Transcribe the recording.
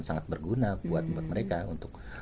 sangat berguna buat mereka untuk